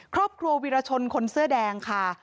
ครอบครัววิรชนคนเสื้อแดงค่ะ